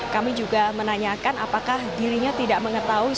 kami juga menanyakan apakah dirinya tersebut berpengaruh atau tidak